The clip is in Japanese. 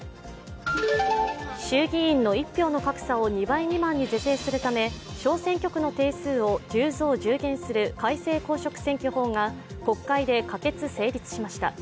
衆議院の一票の格差を２倍未満に是正するため、小選挙区の定数を１０増１０減する改正公職選挙法が国会で可決・成立しました。